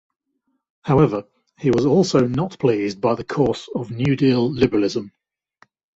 However, he was also not pleased by the course of New Deal liberalism.